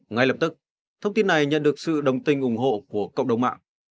ngay lập tức thông tin này nhận được sự đồng tình ủng hộ của cộng đồng mạng